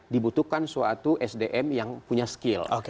dibutuhkan suatu sdm yang punya skill